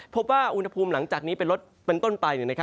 พบว่าอุณหภูมิหลังจากนี้เป็นรถเป็นต้นไป